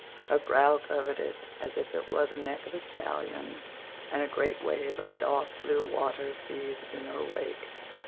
Her prow curvetted as it were the neck of a stallion, and a great wave of dark blue water seethed in her wake.